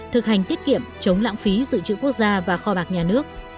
thực hành tiết kiệm chống lãng phí dự trữ quốc gia và kho bạc nhà nước